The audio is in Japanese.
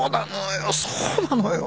そうなのよ